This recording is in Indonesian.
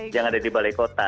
yang ada di balai kota